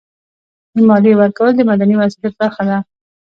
د مالیې ورکول د مدني مسؤلیت برخه ده.